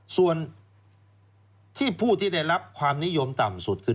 ส่วนที่ผู้ที่ได้รับความนิยมต่ำสุดคือ